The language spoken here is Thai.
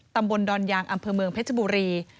ตำบลดอนยางอำเภอเมืองเพชรบุรี